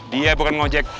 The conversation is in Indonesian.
dia bukan nge ojek